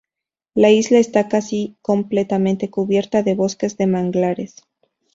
La isla está casi completamente cubierta de bosques de manglares.